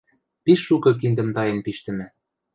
Пиш шукы киндӹм таен пиштӹмӹ.